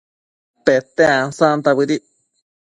Pete ansanta bëdic